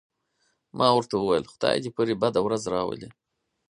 ما ورته وویل: خدای دې پرې بده ورځ راولي.